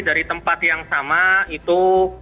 dari tempat yang sama itu